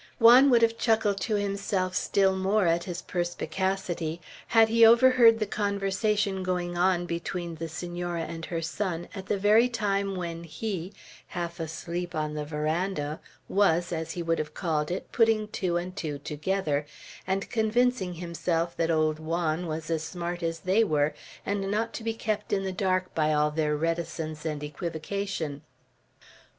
Juan would have chuckled to himself still more at his perspicacity, had he overheard the conversation going on between the Senora and her son, at the very time when he, half asleep on the veranda, was, as he would have called it, putting two and two together and convincing himself that old Juan was as smart as they were, and not to be kept in the dark by all their reticence and equivocation.